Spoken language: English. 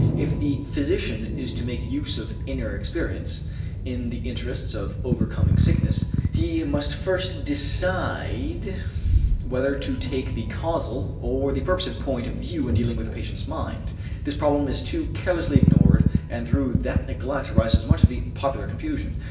If the physician is to make use of inner experience in the interests of overcoming sickness, he must first decide whether to take the causal or the purposive point of view in dealing with the patient's mind. This problem is too carelessly ignored and through that neglect arises much of the popular confusion.